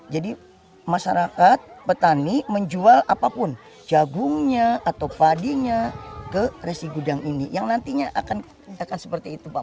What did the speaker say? jadi masyarakat petani menjual apapun jagungnya atau padinya ke resi gudang ini yang nantinya akan seperti itu pak